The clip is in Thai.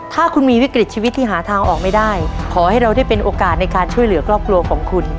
ถ้าคุณมีวิกฤตชีวิตที่หาทางออกไม่ได้ขอให้เราได้เป็นโอกาสในการช่วยเหลือครอบครัวของคุณ